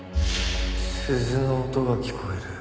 鈴の音が聞こえる。